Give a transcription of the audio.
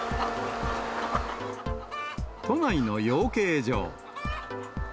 都内の養鶏場。